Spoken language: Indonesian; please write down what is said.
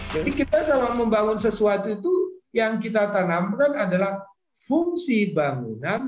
jadi kita kalau membangun sesuatu itu yang kita tanamkan adalah fungsi bangunan